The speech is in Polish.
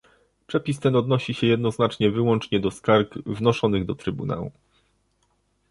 Przepis ten odnosi się jednoznacznie wyłącznie do skarg wnoszonych do Trybunału